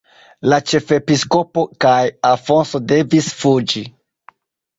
La ĉefepiskopo kaj Afonso devis fuĝi.